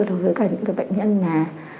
đối với cả những cái bệnh nhân là